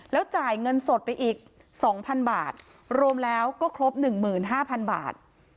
แล้วจ่ายเงินสดไปอีกสองพันบาทรวมแล้วก็ครบหนึ่งหมื่นห้าพันบาท